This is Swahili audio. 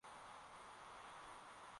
yake katika moja ya eneo la msitu mzito